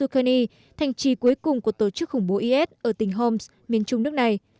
ghani thành trì cuối cùng của tổ chức khủng bố is ở tỉnh homs miền trung nước này